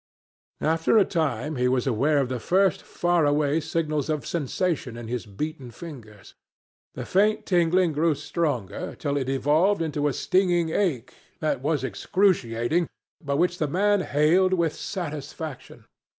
After a time he was aware of the first far away signals of sensation in his beaten fingers. The faint tingling grew stronger till it evolved into a stinging ache that was excruciating, but which the man hailed with satisfaction.